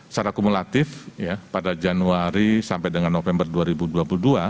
secara akumulatif pada januari sampai dengan november dua ribu dua puluh dua jumlah kunjungan wisman itu sebanyak empat enam juta orang